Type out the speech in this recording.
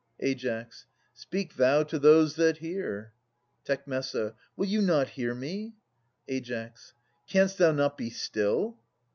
Ai. Speak thou to those that hear. Tec. Will you not hear me? Ai. Canst thou not be still?